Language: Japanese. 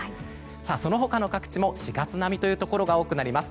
その他の各地も４月並みのところが多くなります。